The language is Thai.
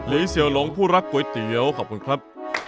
เสียวหลงผู้รักก๋วยเตี๋ยวขอบคุณครับ